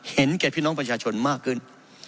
เห็นแก่พี่น้องประชาชนมากขึ้น